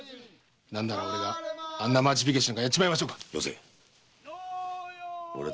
何なら俺があんな町火消なんか殺っちまいましょうか？よせっ。